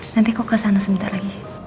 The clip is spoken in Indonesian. nanti aku ke sana sebentar lagi